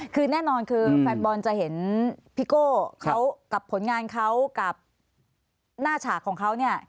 คือแน่นอนคือแฟนบอลจะเห็นพี่โก้เขากับผลงานเขากับหน้าฉากของเขาเนี่ย